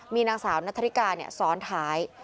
มีนางสาวนัทริกาซ้อนท้าย